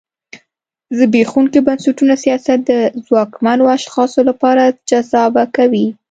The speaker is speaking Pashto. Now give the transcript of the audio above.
زبېښونکي بنسټونه سیاست د ځواکمنو اشخاصو لپاره جذابه کوي.